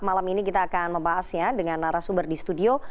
malam ini kita akan membahasnya dengan narasumber di studio